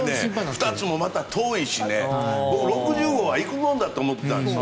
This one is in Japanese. ２つもまた遠いし６０号は行くもんだと思ってたんです。